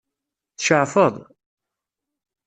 Tceɛfeḍ?